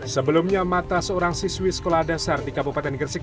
sebelumnya mata seorang siswi sekolah dasar di kabupaten gresik